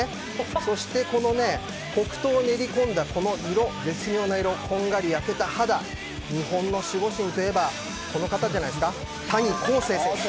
そして黒糖を練りこんだ色、絶妙な色、こんがり焼けた肌、日本の守護神といえばこの方じゃないですか、谷晃生選手。